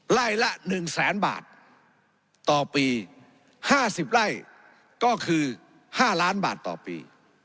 ไล่ละหนึ่งแสนบาทต่อปีห้าสิบไล่ก็คือ๕ล้านบาทต่อปี